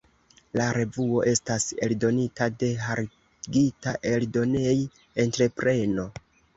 La revuo estas eldonita de Hargita Eldonej-entrepreno.